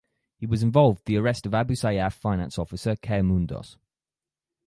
He was involved the arrest of Abu Sayyaf finance officer Khair Mundos.